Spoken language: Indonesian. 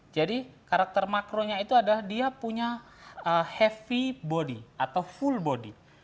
jadi karakter makronya itu adalah dia punya heavy body atau full body